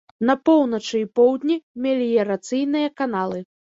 На поўначы і поўдні меліярацыйныя каналы.